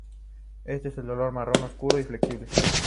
Es de color marrón oscuro y flexible.